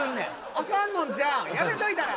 あかんのんじゃやめといたら？